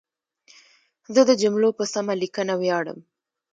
زه د جملو په سمه لیکنه ویاړم.